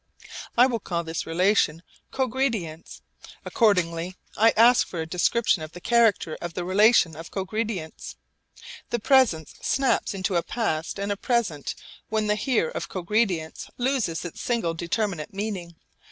I will call this relation 'cogredience.' Accordingly I ask for a description of the character of the relation of cogredience. The present snaps into a past and a present when the 'here' of cogredience loses its single determinate meaning.